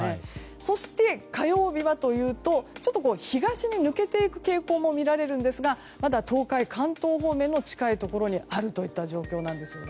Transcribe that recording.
そして、火曜日はというとちょっと東に抜けていく傾向も見られるんですがまだ東海・関東方面の近いところにある状況です。